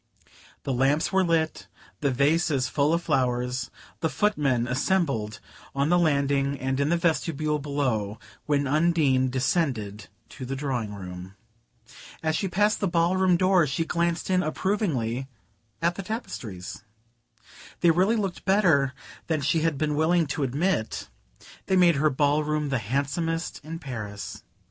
The lamps were lit, the vases full of flowers, the foot men assembled on the landing and in the vestibule below, when Undine descended to the drawing room. As she passed the ballroom door she glanced in approvingly at the tapestries. They really looked better than she had been willing to admit: they made her ballroom the handsomest in Paris.